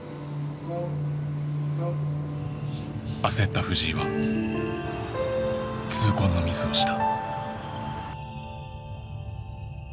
焦った藤井は痛恨のミスをした。